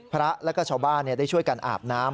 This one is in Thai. พระและก็ชาวบ้านได้ช่วยกันอาบน้ำ